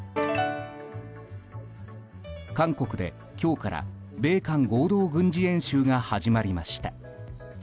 韓国で、今日から米韓合同軍事演習が始まりました。